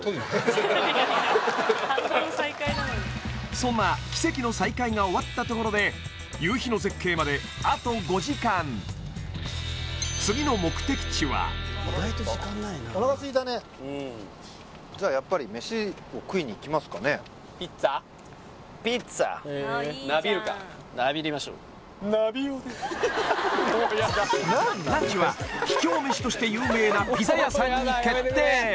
そんな奇跡の再会が終わったところで夕日の絶景まであと５時間うんじゃあやっぱりナビりましょうランチは秘境飯として有名なピザ屋さんに決定